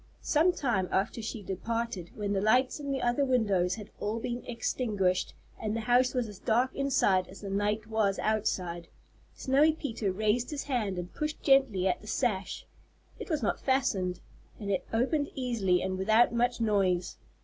Some time after she departed, when the lights in the other windows had all been extinguished and the house was as dark inside as the night was outside, Snowy Peter raised his hand and pushed gently at the sash. It was not fastened, and it opened easily and without much noise.